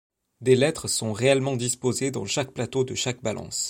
Des lettres sont réellement disposées dans chaque plateau de chaque balance.